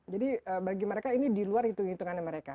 jadi bagi mereka ini di luar hitung hitungannya mereka